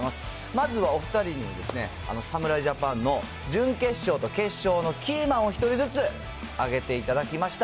まずはお２人に、侍ジャパンの準決勝と決勝のキーマンを１人ずつ挙げていただきました。